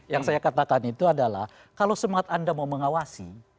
yang saya katakan itu adalah kalau semangat anda mau mengawasi